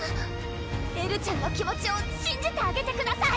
エルちゃんの気持ちをしんじてあげてください